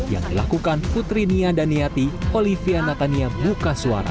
yang dilakukan putri nia daniyati olivia natania bukasuara